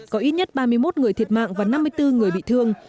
có ít nhất ba mươi một người thiệt mạng và năm mươi bốn người bị thương